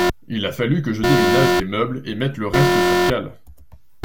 Il a fallu que je déménage les meubles et mette le reste sur cales.